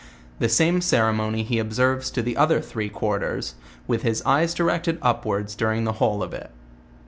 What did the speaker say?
The same ceremony he observes to the other three quarters, with his eyes directed upwards during the whole of it.